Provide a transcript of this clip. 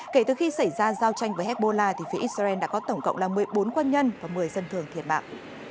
kể từ khi xảy ra giao tranh với hezbollah phía israel đã có tổng cộng là một mươi bốn quân nhân và một mươi dân thường thiệt mạng